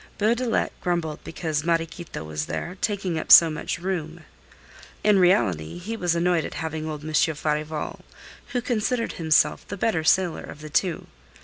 Beaudelet grumbled because Mariequita was there, taking up so much room. In reality he was annoyed at having old Monsieur Farival, who considered himself the better sailor of the two.